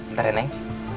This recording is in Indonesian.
ntar ya neng